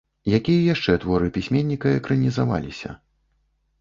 Якія яшчэ творы пісьменніка экранізаваліся.